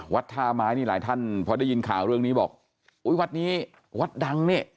วัดท่าไม้นี่หลายท่านพอได้ยินข่าวเรื่องนี้บอกอุ้ยวัดนี้วัดดังนี่